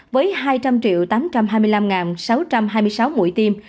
với hai trăm linh tám trăm hai mươi năm sáu trăm hai mươi sáu mũi tiêm